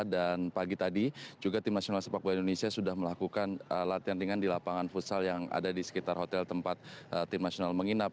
dan pagi tadi juga timnas sepakbun indonesia sudah melakukan latihan ringan di lapangan futsal yang ada di sekitar hotel tempat timnas menghinap